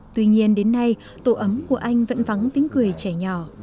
tuy nhiên đến nay tổ ấm của anh vẫn vắng tiếng cười trẻ nhỏ